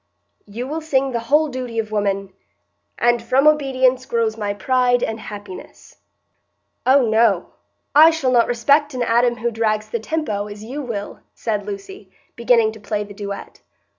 You will sing the whole duty of woman,—'And from obedience grows my pride and happiness.'" "Oh no, I shall not respect an Adam who drags the tempo, as you will," said Lucy, beginning to play the duet.